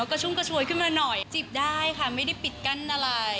กระชุ่มกระชวยขึ้นมาหน่อยจิบได้ค่ะไม่ได้ปิดกั้นอะไร